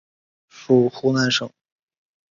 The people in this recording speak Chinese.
属湖南省。